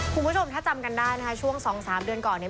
คุณผู้ชมถ้าจำกันได้นะคะช่วง๒๓เดือนก่อนเนี่ย